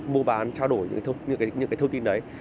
mua bán trao đổi những thông tin đấy